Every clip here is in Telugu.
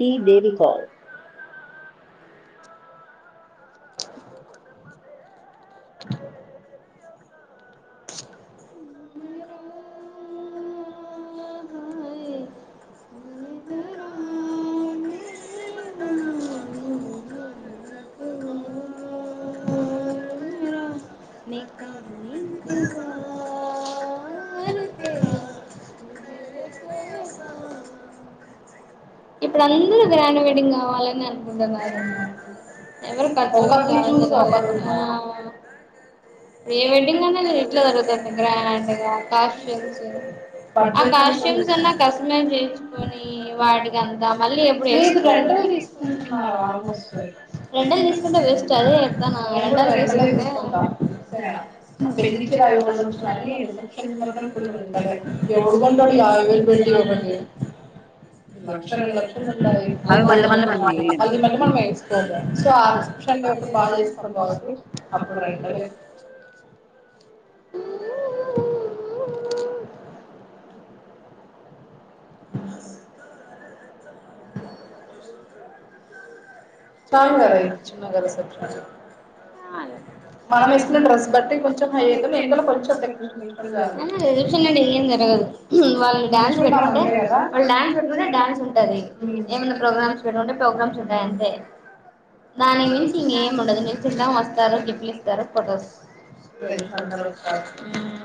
[inaudible] బేబీ కాల్ నే కా నీ సారా హమ్ తేరా ఆ ఇప్పుడు అందరు గ్రాండ్ వెడ్డింగ్ కావాలని అనుకుంటన్నారు ఎవరు ప్రీ వెడ్డింగ్ అనే ఇట్లా జరుగుత గ్రాండ్గా కాస్ట్యూమ్స్ ఆ కాస్ట్యూమ్స్ అన్న కస్టమైజ్ చేయించుకొని వాడి రం తీసుకుంటున్నారు ఆగు ఒకసారి [inaudible] రెండుగా తీసుకుంటా పెళ్ళి చీరలు అది రిసెప్షన్ [inaudible] లంచ్ రెండు లక్షలు మళ్ళీ మళ్ళీ మనం వెయ్యము సో [inaudible] అప్పుడు చాలు గద ఇది చిన్నగలస ఆ మనం వేసుకున్న డ్రస్ బట్టి కొంచెం హై అయితే కొంచెం [inaudible] దానికి మించి ఇంకేం ఉండదు నిలుచుంటాం వస్తారు గిఫ్ట్ లు తర్వాత ఫోటోస్ అందరూ వస్తారు మ్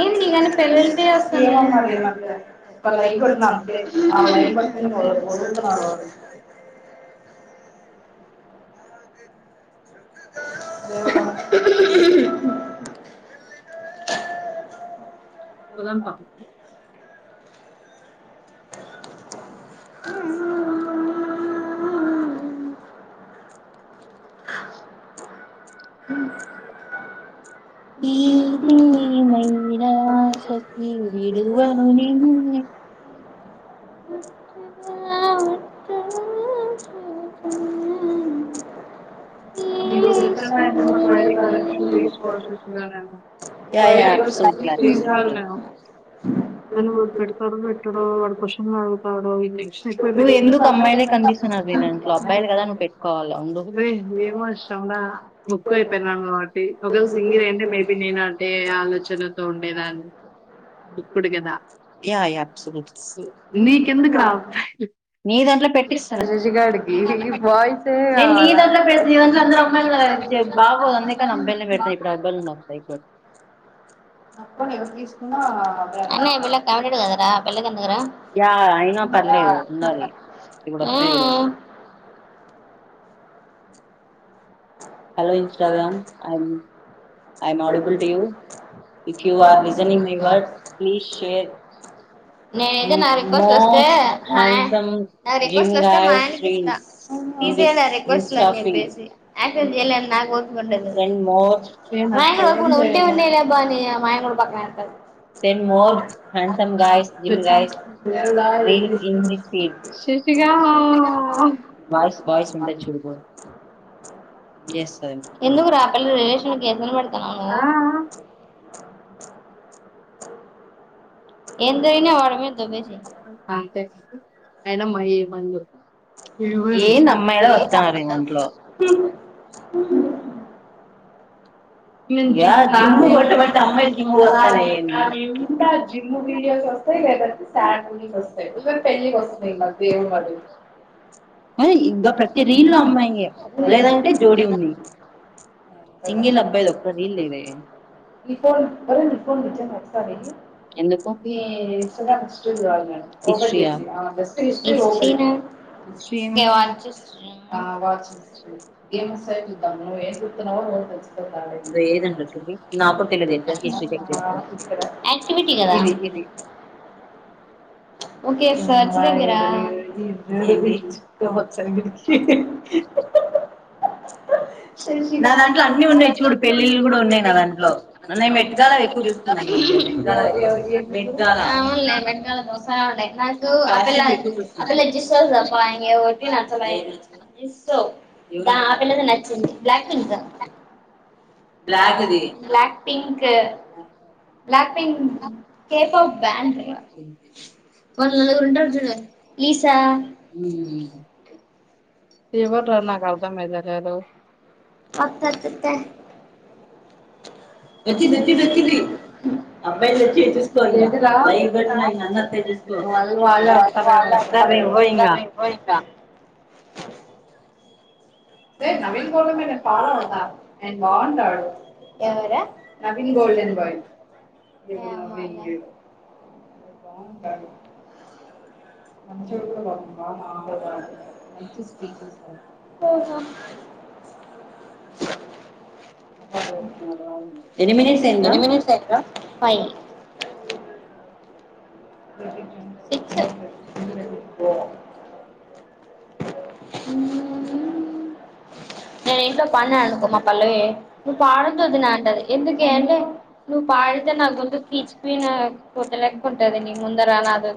ఏమో అమ్మ ఏమి అర్ధంకాల ఒక లైక్ కొట్టిన అంతే ఆ లైక్ [inaudible] పోదాం పా ఆ ఎదేమైనా శఖి విడువను నిన్నే ఈ రోజు ఎటన్నా ఎంత ఒక కవైరీ [inaudible] చేయించుకోవాలా చేర్చలేమో నువ్వు ఎందుకు అమ్మాయిలే కనిపిస్తున్నారు మీ దాంట్లో అబ్బాయిలు కదా నువ్వు పెట్టుకోవాల సర్వనా బుక్ అయిపొయింది. ఒకవేళ సింగిల్ మెబి నేనా అదే ఆలోచనతో ఉండేదాన్ని. ఇప్పుడు కదా య య అబసొళ్ళుట్స్ మీకు ఎందుకు రాదు. మీ ధాంట్లో అచ్చి గడ్గి బయిస [unintelligible] [unintelligible] అన్న పిళ్ళ కమి కదరా పళ్ళ కందుకు అఐనద [unintelligible] ఆ ఆ hello Instagram I I'm audible to you if you are listening my words please share నేనైతే నా రిక్వెస్ట్ వస్తే, మా నా రిక్వెస్ట్ వస్తే మాయకి ఇస్తా తీజయ రిక్వెస్ట్లుని చెప్పేసి. యాక్సెట్ చేయలేని నాకు ఓపిక ఉండదు. మేము కూడా ఉంటే ఉండేలేబా అని మా ఆయన కూడా పక్కన. [inaudible] [unintelligible] అ [unintelligible] [unintelligible] [unintelligible] ఎ అంతే [unintelligible] అయిన మయి మందు ఏమ్ ఏ [unintelligible] [unintelligible] [unintelligible] [unintelligible] [unintelligible] ఇ ప్రతి ఒక రీల్ లో అమ్మాయిలు ఉంటారు. లేదు అంటే జోడి గా ఉంటారు. సింగిల్ అబ్బాయిలు ఈ ఫోన్ పరండి ఈ ఫోన్ ఇచ్చాను ఒకసారి న ఇస్ల ఓపెన్ చేంది స్పె [unintelligible] [unintelligible] [unintelligible] [unintelligible] ఏ చట్ట వచ్చలు మడికి [unintelligible] [unintelligible] నా దాంట్లో అన్ని ఉన్నాయి చూడు పెళ్ళిళ్ళు కూడా ఉన్నాయి నా దాంట్లో మెట్గాలవి ఎక్కువ చూస్తున్నాయి. ఈ మధ్య మెట్కల ప్ప అ వచ్చ నక్కలా [unintelligible] బక్ స బక్ బక్ బక్ బ్యా ఉంట [unintelligible] [unintelligible] తీవర్లా కదా మదరలో [inaudible] సరే పోయింగా నవీన్ గోల్డ మ పా అండ్ బాగుంటడు ఎవ నవీన్ గోల్డన్ బ బాగు ఎని మినిట్స్ అయింది రా అ [unintelligible] మ్ నేను ఇంట్లో పడిను అనుకో మా పల్లవి నువ్వు పాడద్దోది నా అంటది ఎందుకే అంటే నువ్వు పాడితే నాకుందు కీచిపోయిన కొట్టలేకు ఉంటది నీ ముందర నా ద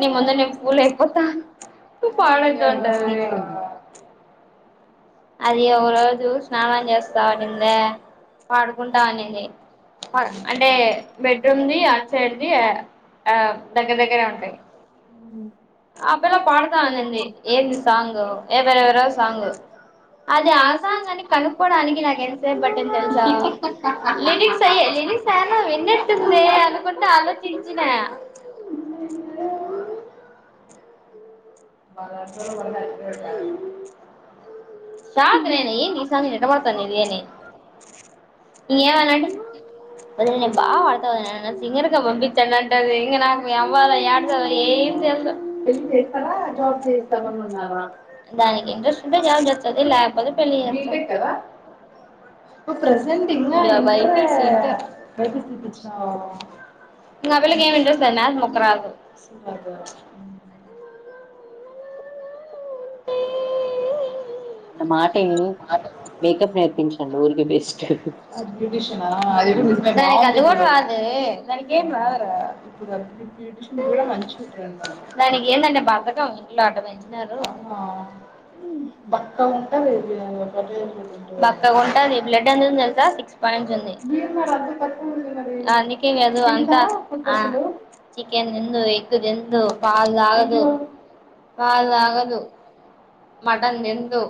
నీ ముందర నేను పూలు అయిపోతా నువ్వు పాడొద్దు అంటది అది ఒక రోజు స్నానం చేస్తావునిందే పాడుకుంటా అనింది అంటే బెడ్రూమ్దిి అట్ సైడ్దిి ఆ దగ్గర దగ్గరే ఉంటాయి ఆ పిలా పాడుతా అనింది ఏంది సాంగ్ ఎవరెవరో సాంగ్ అది ఆసాంగ్ అని కనుక్కోవడానికి నాకు ఎంతసేపు బట్టంది తెలుస లిరిక్స్ అయ లిరిక్స్ ఏనా విన్నట్టుందే అనుకుంట ఆలోచించిన [unintelligible] సాంగ్ ఏంది ఈసాంగ్ ఎట్ట పాడుతుంది ఏంది ఏవనంటే సింగర్ గా పంపించండంటది ఇంగ నాకు నవ్వాలో ఏడ్వాలో ఏమ్ తెల్వద్ దానికి ఇన్ ట్రెస్ట్ ఉంటే జాబ్ చేస్తది లేకపోతే పెళ్లి చేస్తామ్ ఆ పిల్ల కి ఏమ్ ఇన్ ట్రెస్ట్ నాకు ముక్క రాదు న మాటిని మేకప్ నేర్పించండి కవును బక్కగా ఉంటుంది బ్లడ్ ఎంత ఉందో దెల్సా సిక్స్ పాయింట్స్ ఉంది అందుకేదు అంత చికెన్ తిందు ఎగ్ తిందు పాలు తాగదు పాలు తాగదు మటన్ తిందు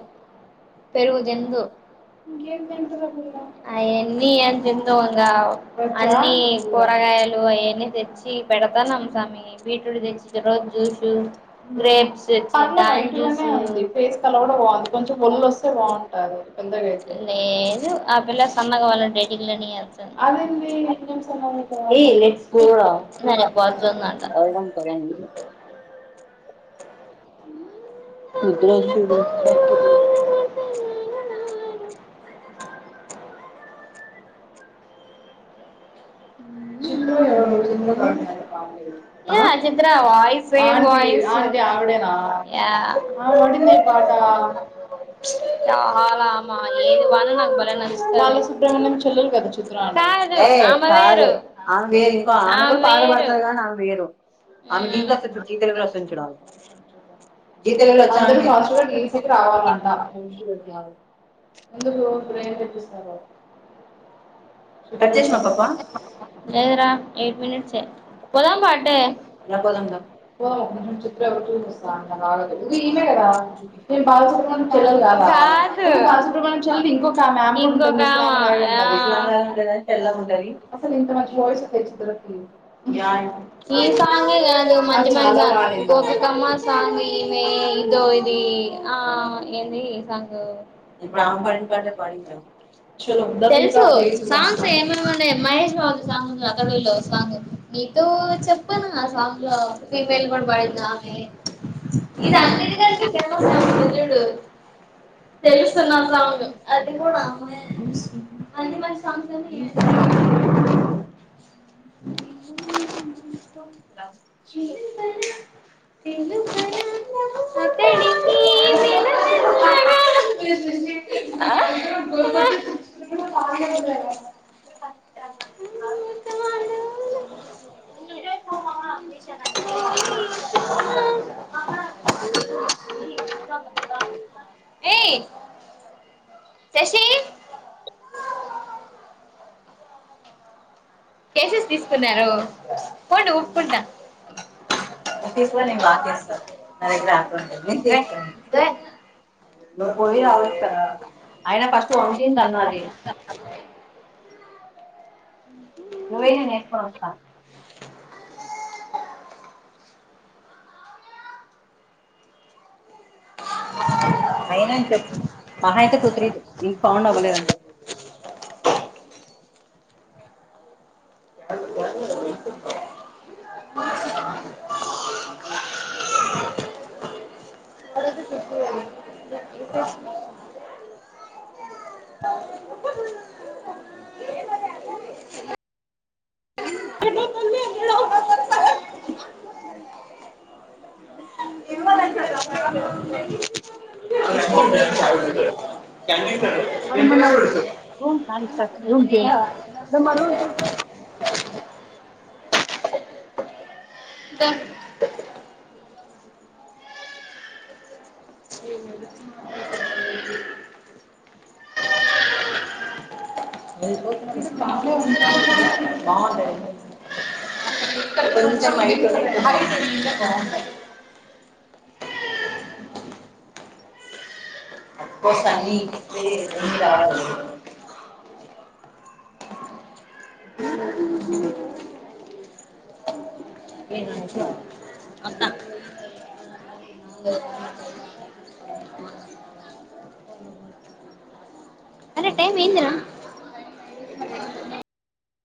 పెరుగుదిందు అయన్ని ఏందిందు ఇంగా అన్ని కూరగాయలు అయన్ని తెచ్చి పెడతానుంటిమి బీట్రూట్ తెచ్చి రోజు జూస్ గ్రేప్ తెచ్చి బాయిల్ జూస్ అ [inaudible] [inaudible] ఏయ్ కాదు [unintelligible] కట్ చేసినవా పప్పా లేదు రా ఎయిట్ మినేట్సే పోదాంప అటే ఇంకో కామే ఆ తెల్ల గుంటది ఒక విం [unintelligible] త జోడింది ఈ సాంగే కాదు మంచి మంచిగా గోపికమ్మ సాంగ్ ఈ ఇదో ఇది ఆ ఏంది ఈ సాంగ్ తెల్సు సాంగ్స్ ఏమేం మహేష్ బాబు సాంగ్ అతడు లో సాంగ్ మీతో చెప్పన ఆ సాంగ్ లో ఫీమెల్ కూడా పాడింది ఆమె రాత్రి వరకు తెలువదు తెలుసు అ అ మల్లీ మళ్ళీ తెలు నమ్ముతాడో మ్ముతాడో [unintelligible] శశి కేసెస్ తీసుకున్నారు పోండి ఊపుకుంటా తీ అ [unintelligible] అ [inaudible] నువ్వైన లేట్ గా వస్తావు [inaudible] అయిన అని చెప్పు మహా అయితే టూ త్రీ నీకు పౌండ్ అవ్వలేదని చెప్పు [unintelligible] [unintelligible] పొంగ [unintelligible] చ [unintelligible] మా రూమ్ కీ ఇచ్చెయ్ దా బాగుంటది కొంచం కోసన్ని [unintelligible] ఎంతా అంతా అరే టైమ్ ఏందిరా